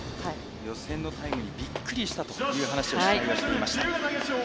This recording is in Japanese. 予選のタイムにびっくりしたという話を白井はしていました。